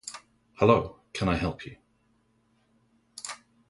Hallo, can I help you?